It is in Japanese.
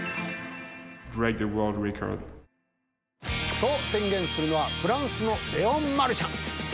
そう宣言するのはフランスのレオン・マルシャン。